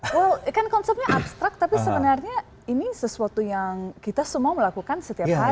wow kan konsepnya abstrak tapi sebenarnya ini sesuatu yang kita semua melakukan setiap hari